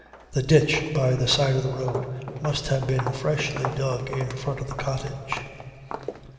The ditch by the side of the road must have been freshly dug in front of the cottage.